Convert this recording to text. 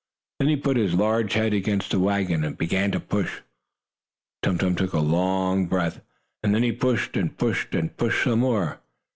Then he put his large head against the wagon, and began to push. Tum Tum took a long breath, and then he pushed, and pushed and pushed some more.